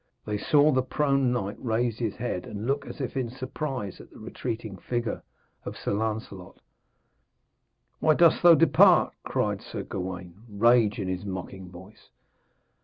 They saw the prone knight raise his head and look as if in surprise at the retreating figure of Sir Lancelot. 'Why dost thou depart?' cried Sir Gawaine, rage in his mocking voice.